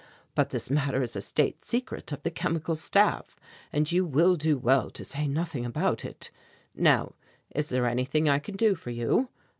But this matter is a state secret of the Chemical Staff and you will do well to say nothing about it. Now is there anything I can do for you?